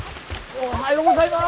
おはようございます。